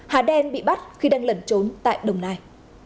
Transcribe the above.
hà đen bị bắt khi đang lẩn trốn tại đồng nai